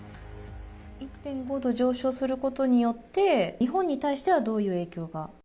１．５度上昇することによって、日本に対してはどういう影響が。